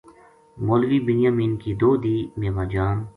مولوی بنیامین کی دو دھی میوہ جان